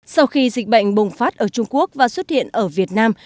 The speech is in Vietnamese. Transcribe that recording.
sau khi dịch bệnh bùng phát ở trung quốc và xuất hiện ở việt nam